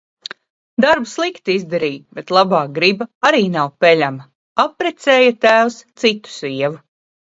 Darbu slikti izdarīji. Bet labā griba arī nav peļama. Apprecēja tēvs citu sievu...